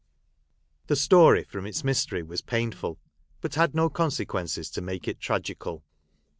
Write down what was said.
This story from its mystery was painful, but had no consequences to make it tragical.